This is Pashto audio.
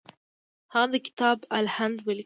هغه د کتاب الهند ولیکه.